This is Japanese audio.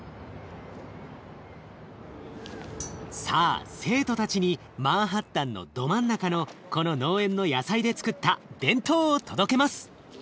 さあ生徒たちにマンハッタンのど真ん中のこの農園の野菜でつくった弁当を届けます。